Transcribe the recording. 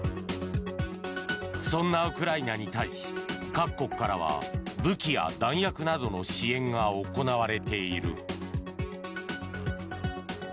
そんなウクライナに対し各国からは武器や弾薬などの支援が行われている。